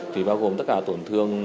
thì bao gồm tất cả tổn thương